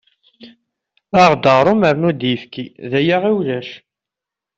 Aɣ-d aɣrum ternu-d ayefki, d aya i ulac.